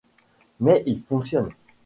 Mais il fonctionne.